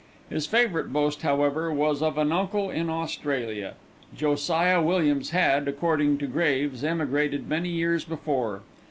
His favourite boast, however, was of an uncle in Australia. Josiah Williams had, according to Graves, emigrated many years before.